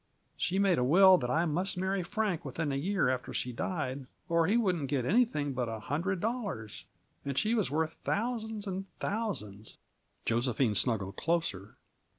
She made a will that I must marry Frank within a year after she died, or he wouldn't get anything but a hundred dollars and she was worth thousands and thousands." Josephine snuggled closer.